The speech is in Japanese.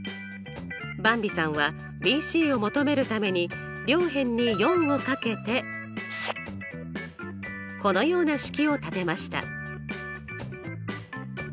ばんびさんはＢＣを求めるために両辺に４を掛けてこのような式を立てました。